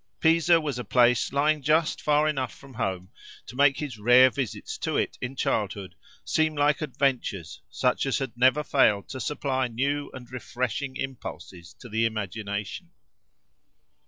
Pisa was a place lying just far enough from home to make his rare visits to it in childhood seem like adventures, such as had never failed to supply new and refreshing impulses to the imagination.